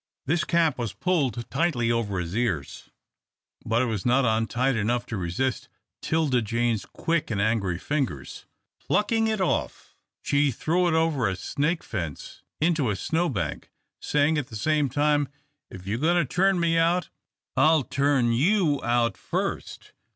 This cap was pulled tightly over his ears, but it was not on tight enough to resist 'Tilda Jane's quick and angry fingers. Plucking it off, she threw it over a snake fence into a snow bank, saying at the same time, "If you're goin' to turn me out, I'll turn you out first."